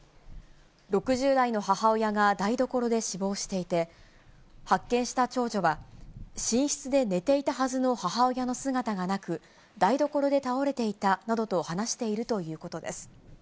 ６０代の母親が台所で死亡していて、発見した長女は、寝室で寝ていたはずの母親の姿がなく、台所で倒れていたなどと話しているということです。